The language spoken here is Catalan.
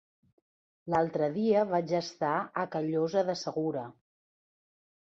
L'altre dia vaig estar a Callosa de Segura.